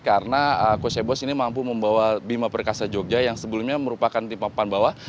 karena coach eibos ini mampu membawa bima perkasa jogja yang sebelumnya merupakan tim papan bawah